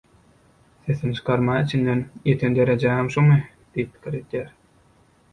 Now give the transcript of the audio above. Sesini çykarman içinden “Ýeten derejäňem şumy?” diýip pikir edýär.